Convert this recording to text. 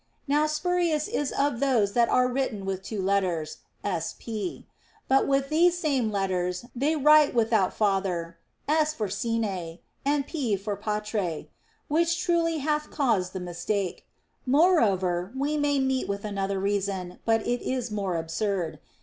Now Spurius is of those that are written with two letters, Sp. But with these same letters they write without father, S. for sine, and P. for patre, which truly hath caused the mis take. Moreover, we may meet with another reason, but it is more absurd.